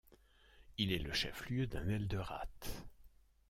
Il est le chef-lieu d'un elderate.